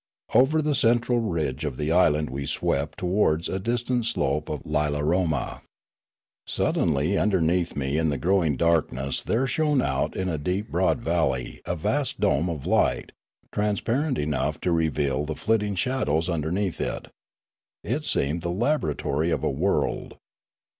Over the central ridge of the island we swept towards a distant slope of Lilarotna. Suddenly underneath me in the growing darkness there shone out in a deep broad valley a vast dome of light, transparent enough to reveal the flitting shadows underneath it. It seemed the laboratory of a world.